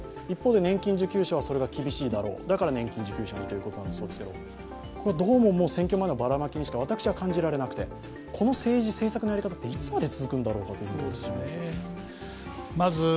一方で年金受給者はそれが厳しいだろう、だから年金受給者にということなんですけどこれはどうも選挙前のばらまきにしか私は感じられなくてこの政治政策のやり方っていつまで続くんだろうという感じがします。